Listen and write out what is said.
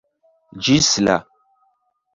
Ĝis la